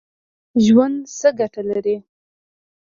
ژوند څه ګټه لري ؟